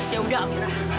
ya udah amira